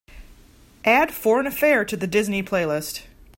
Add Foreign Affair to the disney playlist.